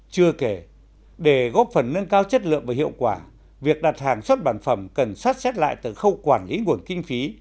chưa kể để góp phần nâng cao chất lượng và hiệu quả việc đặt hàng xuất bản phẩm cần sát xét lại từ khâu quản lý nguồn kinh phí